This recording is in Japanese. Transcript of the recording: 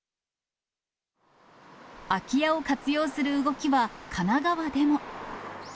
空き家を活用する動きは、神奈川でも。